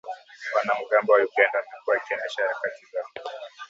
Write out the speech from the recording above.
Wanamgambo wa Uganda wamekuwa wakiendesha harakati zao